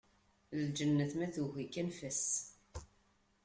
Lǧennet ma tugi-k, anef-as.